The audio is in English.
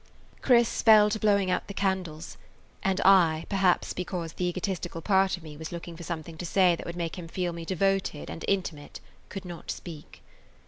Chris fell to blowing out the candles, and I, perhaps because the egotistical part of me was looking for something to say that would make him feel me devoted and intimate, could not speak.